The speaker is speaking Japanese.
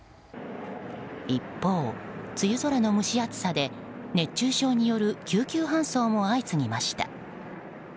一方、梅雨空の蒸し暑さで熱中症による救急搬送も相次ぎました。